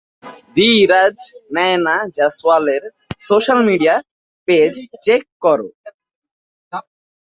ধীরাজ, নায়না জয়সওয়ালের social media page check করো।